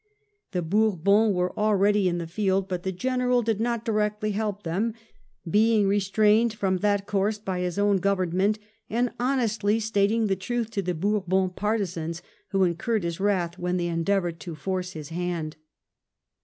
The Bourbons were already in the field, but the General did not 194 WELLINGTON chap. directly help them, being restrained from that course by his own Grovemment, and honestly stating the truth to the Bourbon partisans, who incurred his wrath when they endeavoured to force his hand.